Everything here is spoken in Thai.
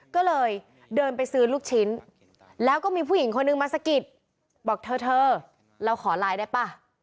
ก็เลยเดินไปซื้อลูกชิ้นแล้วก็มีผู้หญิงคนนึงมาสะกิดบอกเธอเราขอไลน์ได้ป่ะ